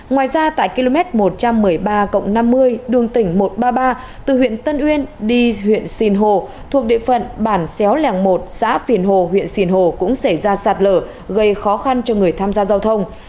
ngoài ra tại km một trăm một mươi ba năm mươi đường tỉnh một trăm ba mươi ba từ huyện tân uyên đi huyện sinh hồ thuộc địa phận bản xéo lèng một xã phìn hồ huyện sìn hồ cũng xảy ra sạt lở gây khó khăn cho người tham gia giao thông